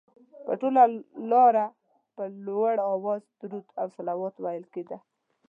پر ټوله لاره په لوړ اواز درود او صلوات ویل کېده.